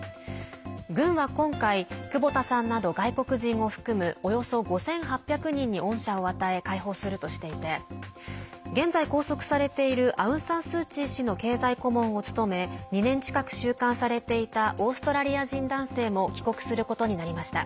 軍は今回、久保田さんなど外国人を含むおよそ５８００人に恩赦を与え解放するとしていて現在、拘束されているアウン・サン・スー・チー氏の経済顧問を務め２年近く収監されていたオーストラリア人男性も帰国することになりました。